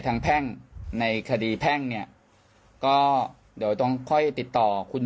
แพ่งในคดีแพ่งเนี่ยก็เดี๋ยวต้องค่อยติดต่อคุณ